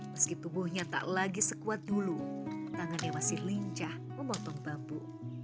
meski tubuhnya tak lagi sekuat dulu tangannya masih lincah memotong bambu